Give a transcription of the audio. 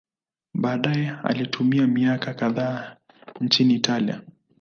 Baadaye alitumia miaka kadhaa nchini Italia.